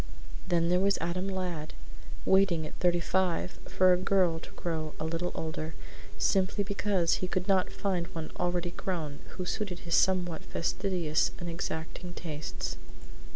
Then there was Adam Ladd, waiting at thirty five for a girl to grow a little older, simply because he could not find one already grown who suited his somewhat fastidious and exacting tastes.